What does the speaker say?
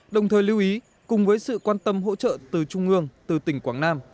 đồng thời lưu ý cùng với sự quan tâm hỗ trợ từ trung ương từ tỉnh quảng nam